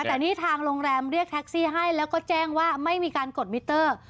แต่นี่ทางโรงแรมเรียกแท็กซี่ให้แล้วก็แจ้งว่าไม่มีการกดมิเตอร์